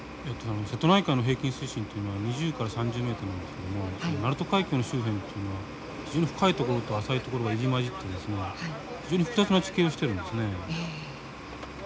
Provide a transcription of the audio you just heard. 瀬戸内海の平均水深というのは２０から３０ｍなんですけども鳴門海峡の周辺というのは非常に深い所と浅い所が入り交じってるんですが非常に複雑な地形をしてるんですね。